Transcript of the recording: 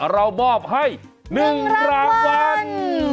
เรามอบให้๑รางวัล